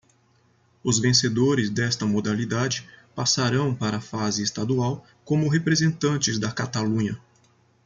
Os vencedores desta modalidade passarão para a fase estadual como representantes da Catalunha.